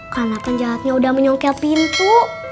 karena penjahatnya udah menyongkel pintu